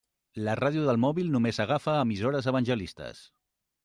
La ràdio del mòbil només agafa emissores evangelistes.